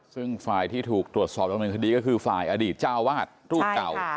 ซึ่งฝ่ายที่ถูกตรวจสอบดำเนินคดีก็คือฝ่ายอดีตเจ้าวาดรูปเก่า